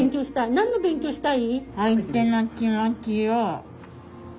何の勉強したい？